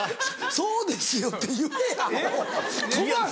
「そうですよ」って言えアホ